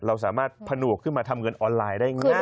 เราสามารถผนวกขึ้นมาทำเงินออนไลน์ได้ง่าย